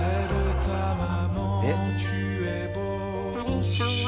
ナレーションは？